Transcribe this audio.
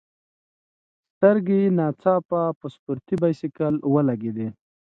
سترګي یې نا ځاپه په سپورټي بایسکل ولګېدې.